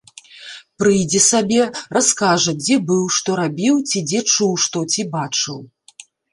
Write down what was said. Прыйдзе сабе, раскажа, дзе быў, што рабіў ці дзе чуў што ці бачыў.